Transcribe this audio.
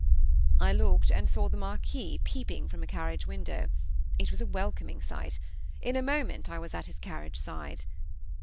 I looked and saw the Marquis peeping from a carriage window. It was a welcome sight. In a moment I was at his carriage side.